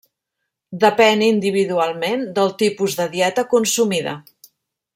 Depèn individualment del tipus de dieta consumida.